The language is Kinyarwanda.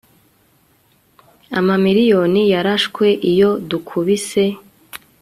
amamiriyoni yarashwe iyo dukubise